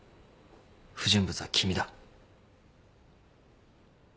不純物は君だ。